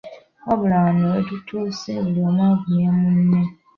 Wabula wano we tutuuse buli omu agumye munne.